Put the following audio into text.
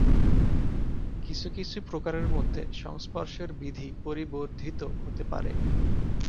কিছু কিছু প্রকারের মধ্যে সংস্পর্শের বিধি পরিবর্ধিত হতে পারে।